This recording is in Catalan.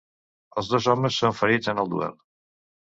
Els dos homes són ferits en el duel.